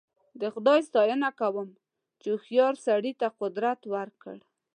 د خدای ستاینه کوم چې هوښیار سړي ته قدرت ورکړ.